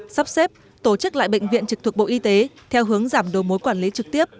sắp xếp tổ chức lại bệnh viện trực thuộc bộ y tế theo hướng giảm đồ mối quản lý trực tiếp